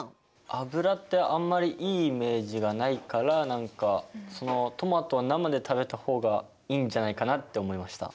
油ってあんまりいいイメージがないから何かトマトは生で食べた方がいいんじゃないかなって思いました。